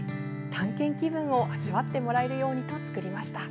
探検気分を味わってもらえるようにと作りました。